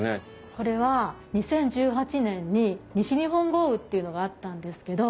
これは２０１８年に西日本豪雨っていうのがあったんですけど。